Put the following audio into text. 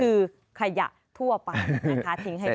คือขยะทั่วไปนะคะทิ้งให้ได้